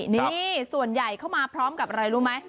นี่ส่วนใหญ่เข้ามาพร้อมกับอะไรรู้ไหม